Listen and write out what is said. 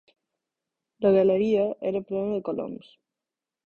La galeria era plena de coloms.